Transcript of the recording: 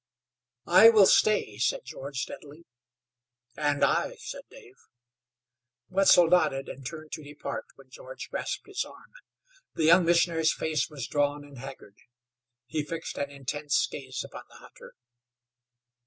"I will stay," said George, steadily. "And I," said Dave. Wetzel nodded, and turned to depart when George grasped his arm. The young missionary's face was drawn and haggard; he fixed an intense gaze upon the hunter.